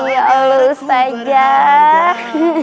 ya allah ustazah